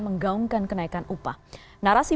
menggaungkan kenaikan upah narasi